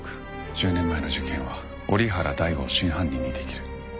１０年前の事件は折原大吾を真犯人にできる。